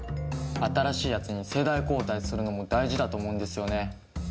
新しいやつに世代交代するのも大事だと思うんですよね。